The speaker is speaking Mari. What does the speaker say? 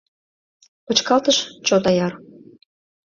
Почкалтыш, чот аяр.